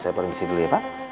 saya produksi dulu ya pak